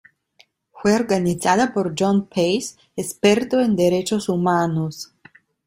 Fue organizada por John Pace, experto en Derechos Humanos.